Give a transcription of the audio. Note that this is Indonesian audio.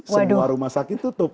semua rumah sakit tutup